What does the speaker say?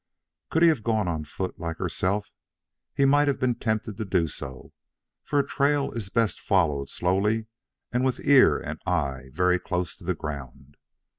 Could he have gone on foot like herself, he might have been tempted to do so, for a trail is best followed slowly and with ear and eye very close to the ground.